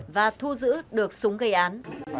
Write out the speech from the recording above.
và thu giữ được súng gây án